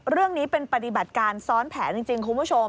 เรื่องนี้เป็นปฏิบัติการซ้อนแผนจริงคุณผู้ชม